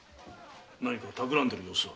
何か企んでいる様子は？